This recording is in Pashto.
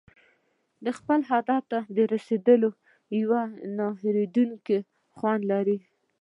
د خپل هدف ته رسېدل یو نه هېریدونکی خوند لري.